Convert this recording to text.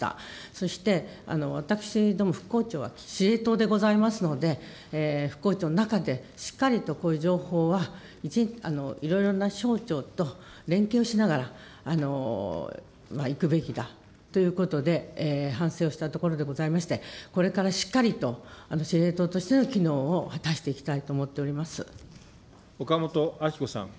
そして、私ども復興庁は司令塔でございますので、復興庁の中でしっかりとこういう情報は、いろいろな省庁と連携をしながら、いくべきだということで、反省をしたところでございまして、これからしっかりと司令塔としての機能を果たしていきたいと思っ岡本あき子さん。